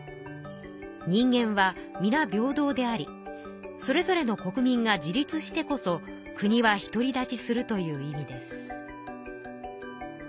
人間はみな平等でありそれぞれの国民が自立してこそ国は独り立ちするという意味です。